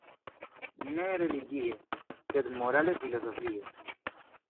Ne religie, sed morale-filozofie.